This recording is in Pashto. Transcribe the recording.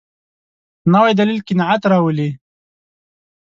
نوی دلیل قناعت راولي